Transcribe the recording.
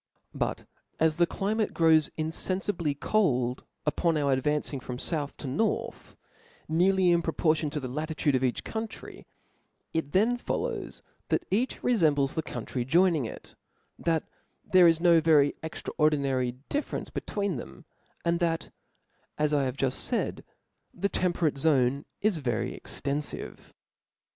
But as the climate grows infenfibly cold upon our advancing from fouth to north, nearly in proportion to the latitude of each country ; it thence follows that each rcfembles the country joining to it, that there is no very extras ordinary diHerepce between them, and that, as I have juft faid, the temperate zone is very ex tenfive.